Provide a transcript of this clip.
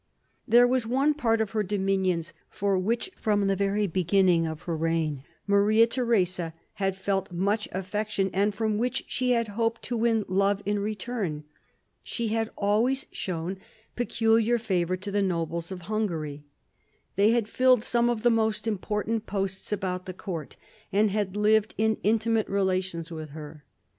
There was one part of her dominions for which, from the very beginning of her reign, Maria Theresa had felt much affection and from which she had hoped to win love in return. She had always shown peculiar favour to the nobles of Hungary. They had filled some of the most important posts about the court, and had lived in intimate relations with her.